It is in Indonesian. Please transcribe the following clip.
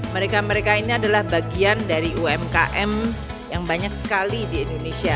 mereka mereka ini adalah bagian dari umkm yang banyak sekali di indonesia